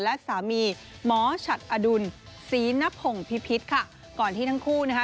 และสามีหมอฉัดอดุลศรีนผงพิพิษค่ะก่อนที่ทั้งคู่นะคะ